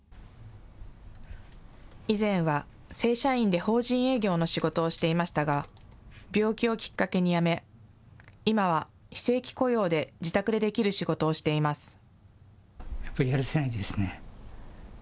以前は正社員で法人営業の仕事をしていましたが、病気をきっかけに辞め、今は非正規雇用で自宅でできる仕事をしています。